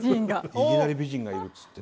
いぎなり美人がいるっつって。